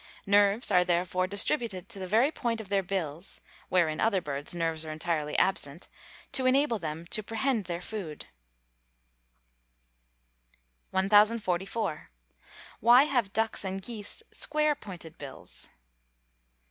Nerves are, therefore, distributed to the very point of their bills (where, in other birds, nerves are entirely absent) to enable them to prehend their food. [Illustration: Fig. 67. SPOONBILL.] 1044. _Why have ducks and geese square pointed bills?